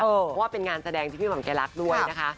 เพราะว่าเป็นงานแสดงที่พี่หม่อมแกรักด้วยนะคะ